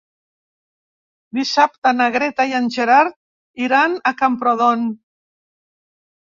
Dissabte na Greta i en Gerard iran a Camprodon.